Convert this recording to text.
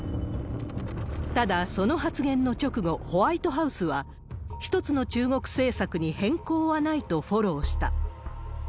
ただ、その発言の直後、ホワイトハウスは一つの中国政策に変更はないとフォローした。